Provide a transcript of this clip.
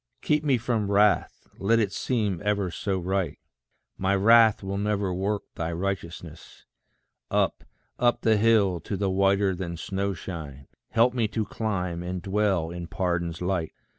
Keep me from wrath, let it seem ever so right: My wrath will never work thy righteousness. Up, up the hill, to the whiter than snow shine, Help me to climb, and dwell in pardon's light.